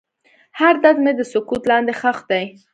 هر درد مې د سکوت لاندې ښخ دی.